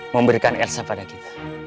memberikan elsa pada kita